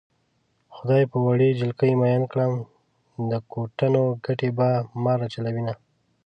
خدای په وړې جلکۍ مئين کړم د کوټنو ګټې په ما راچلوينه